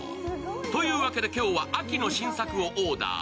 というわけで、今日は秋の新作をオーダー。